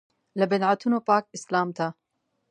له بدعتونو پاک اسلام ته.